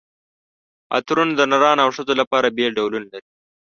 عطرونه د نرانو او ښځو لپاره بېل ډولونه لري.